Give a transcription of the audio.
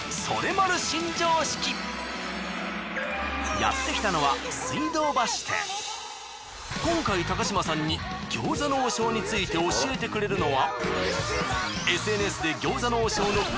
やってきたのは今回高島さんに餃子の王将について教えてくれるのは。